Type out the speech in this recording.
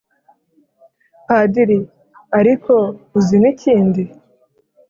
padiri:"ariko uzi n' ikindi ??